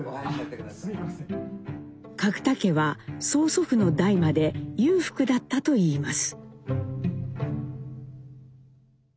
角田家は曽祖父の代まで裕福だったといいます。